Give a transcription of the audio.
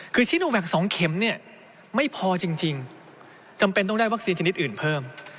คือซีโนแวค๒เข็มเนี่ยไม่พอจริงจำเป็นต้องได้วัคซีนชนิดอื่นเพิ่ม